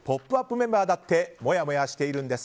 メンバーだってもやもやしてるんです！